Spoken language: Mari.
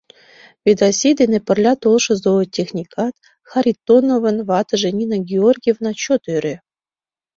Ведаси дене пырля толшо зоотехникат, Харитоновын ватыже Нина Георгиевна, чот ӧрӧ.